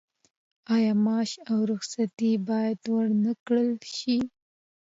آیا معاش او رخصتي باید ورنکړل شي؟